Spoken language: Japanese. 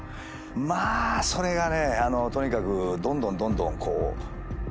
まあそれがねとにかくどんどんどんどん。